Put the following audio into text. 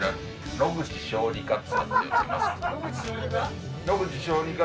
・野口小児科？